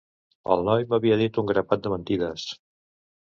El noi m'havia dit un grapat de mentides.